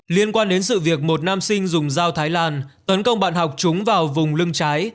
liên quan đến sự việc một nam sinh dùng dao thái lan tấn công bạn học chúng vào vùng lưng trái